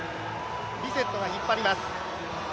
ビセットが引っ張ります。